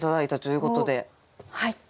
はい。